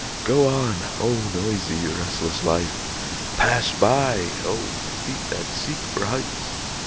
Go on, oh, noisy, restless life! Pass by, oh, feet that seek for heights!